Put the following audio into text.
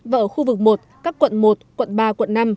và ở khu vực một các quận một quận ba quận năm